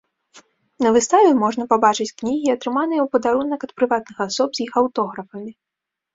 На выставе можна пабачыць кнігі, атрыманыя ў падарунак ад прыватных асоб з іх аўтографамі.